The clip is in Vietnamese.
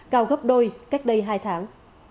cao gấp đôi cách đây hai tháng